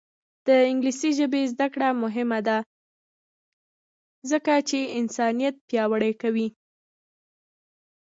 د انګلیسي ژبې زده کړه مهمه ده ځکه چې انسانیت پیاوړی کوي.